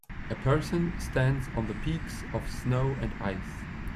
A person stands on the peaks of snow and ice.